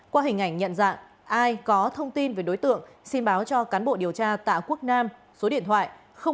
qua hình ảnh nhận dạng ai có thông tin về đối tượng xin báo cho cán bộ điều tra tại quốc nam số điện thoại một trăm sáu mươi chín ba nghìn bốn trăm bảy mươi chín hai trăm ba mươi chín